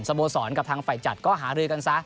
สโบษรกับทางไฟจัดหาเรือกันซะ